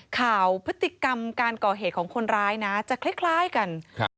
ข่าวพฤติกรรมการก่อเหตุของคนร้ายนะจะคล้ายคล้ายกันครับ